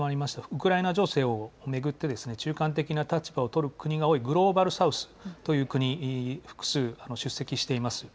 ウクライナ情勢を巡って中間的な立場を取る国が多いグローバル・サウスという国が複数出席しています。